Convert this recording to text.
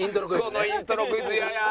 このイントロクイズ嫌や。